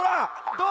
どう？